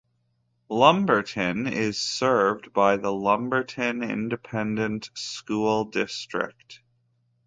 Lumberton is served by the Lumberton Independent School District.